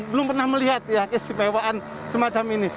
belum pernah melihat ya keistimewaan semacam ini